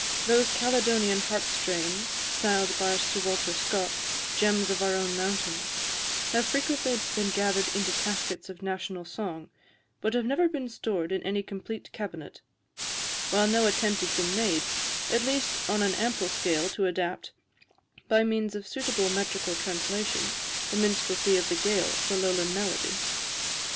Those Caledonian harp strains, styled by Sir Walter Scott "gems of our own mountains," have frequently been gathered into caskets of national song, but have never been stored in any complete cabinet; while no attempt has been made, at least on an ample scale, to adapt, by means of suitable metrical translations, the minstrelsy of the Gaël for Lowland melody.